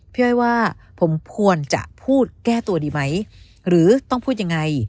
พี่อ้อยว่าผมควรจะพูดแก้ตัวดีไหมหรือต้องพูดยังไง